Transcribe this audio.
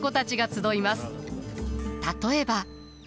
例えば。